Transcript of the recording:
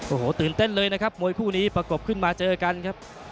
โอ้โหตื่นเต้นเลยนะครับมวยคู่นี้ประกบขึ้นมาเจอกันครับ